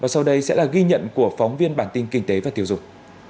sau đây sẽ là ghi nhận của phóng viên bản tin kinh tế và tiêu dùng